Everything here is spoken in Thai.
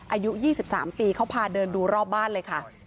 อายุยี่สิบสามปีเขาพาเดินดูรอบบ้านเลยค่ะ